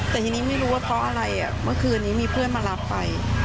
แต่ทีนี้ไม่รู้ว่าเพราะอะไรเมื่อคืนนี้มีเพื่อนมารับไป